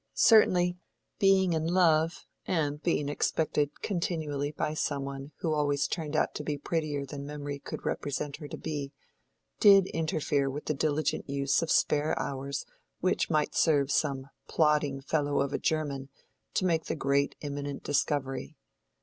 Certainly, being in love and being expected continually by some one who always turned out to be prettier than memory could represent her to be, did interfere with the diligent use of spare hours which might serve some "plodding fellow of a German" to make the great, imminent discovery.